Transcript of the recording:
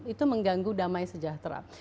itu mengganggu damai sejahtera